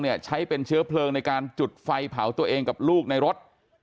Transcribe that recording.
ใช้เป็นเชื้อเพลิงในการจุดไฟเผาตัวเองกับลูกในรถ